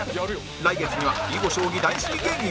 来月には囲碁将棋大好き芸人も